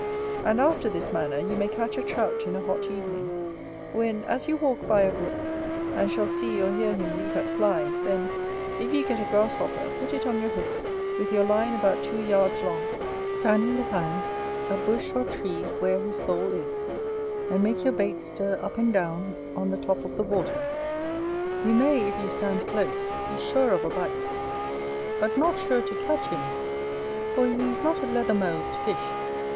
And after this manner you may catch a Trout in a hot evening: when, as you walk by a brook, and shall see or hear him leap at flies, then, if you get a grasshopper, put it on your hook, with your line about two yards long; standing behind a bush or tree where his hole is: and make your bait stir up and down on the top of the water. You may, if you stand close, be sure of a bite, but not sure to catch him, for he is not a leather mouthed fish.